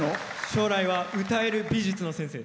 将来は歌える美術の先生。